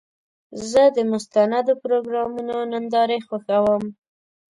زه د مستندو پروګرامونو نندارې خوښوم.